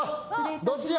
どっちや？